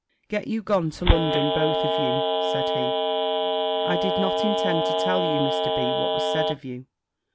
Get you gone to London, both of you," said he. "I did not intend to tell you, Mr. B., what was said of you."